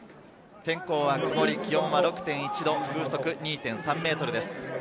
天候は曇り、気温は６．１度、風速２．３メートルです。